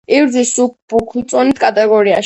იბრძვის მსუბუქ წონით კატეგორიაში.